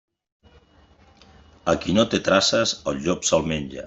A qui no té traces, el llop se'l menja.